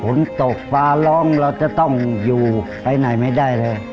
ฝนตกฟ้าร้องเราจะต้องอยู่ไปไหนไม่ได้เลย